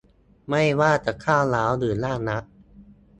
ไม่ว่าจะก้าวร้าวหรือน่ารัก